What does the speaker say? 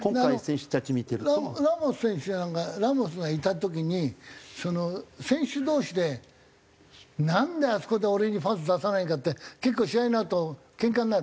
ラモス選手なんかラモスがいた時に選手同士でなんであそこで俺にパス出さないんだって結構試合のあとケンカになる？